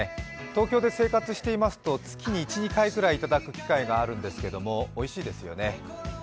東京で生活していますと月に１２回頂く機会がありますけれどもおいしいですよね。